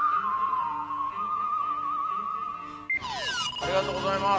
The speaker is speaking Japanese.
ありがとうございます。